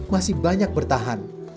masih banyak bertahan